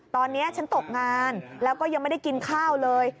ตอนนี้ฉันตกงานแล้วก็ยังไม่ได้กินข้าวเลย